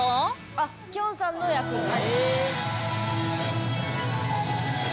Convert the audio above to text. あっきょんさんの役ね。